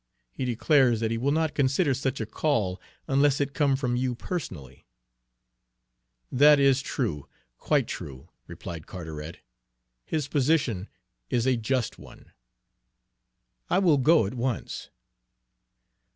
He declares that he will not consider such a call unless it come from you personally." "That is true, quite true," replied Carteret. "His position is a just one. I will go at once.